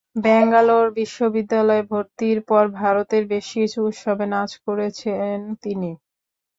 ব্যাঙ্গালোর বিশ্ববিদ্যালয়ে ভর্তির পর ভারতের বেশ কিছু উৎসবে নাচ করেছেন তিনি।